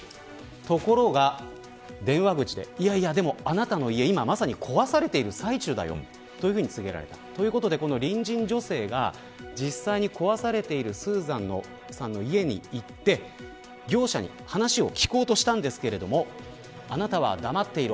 ところが、電話口であなたの家まさに壊されている最中だよというふうに告げられたということでこの隣人女性が実際に壊されているスーザンさんの家に行って業者に話を聞こうとしたんですけどあなたは黙っていろ